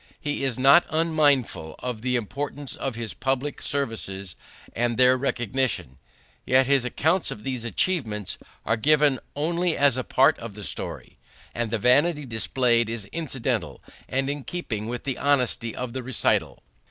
He is not unmindful of the importance of his public services and their recognition, yet his accounts of these achievements are given only as a part of the story, and the vanity displayed is incidental and in keeping with the honesty of the recital.